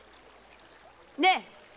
ねえ！